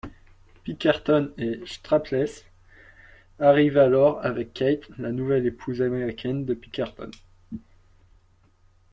Pinkerton et Sharpless arrivent alors avec Kate, la nouvelle épouse américaine de Pinkerton.